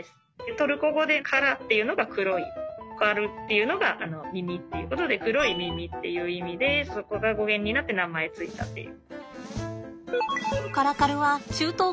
トルコ語でカラっていうのが黒いカルっていうのが耳っていうことで「黒い耳」っていう意味でそこが語源になって名前付いたっていう。